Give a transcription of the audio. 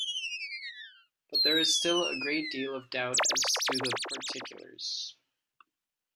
But there is still a great deal of doubt as to the particulars.